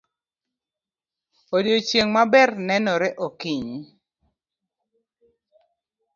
Odiochieng' maber nenore okinyi.